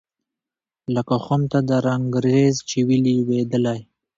لکه خُم ته د رنګرېز چي وي لوېدلی